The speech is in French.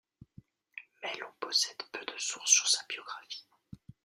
Mais l’on possède peu de sources sur sa biographie.